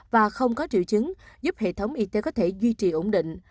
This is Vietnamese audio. và không có triệu chứng giúp hệ thống y tế có thể duy trì ổn định